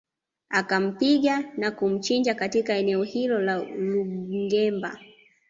Akampiga na kumchinja katika eneo hilo la Lungemba